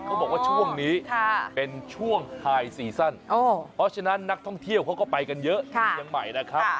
เขาบอกว่าช่วงนี้เป็นช่วงไฮซีซั่นเพราะฉะนั้นนักท่องเที่ยวเขาก็ไปกันเยอะที่เชียงใหม่นะครับ